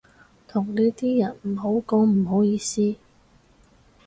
同呢啲人唔好講唔好意思